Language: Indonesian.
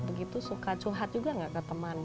begitu suka curhat juga nggak ke teman